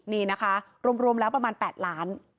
นี่นะคะรวมแล้วประมาณ๘ล้าน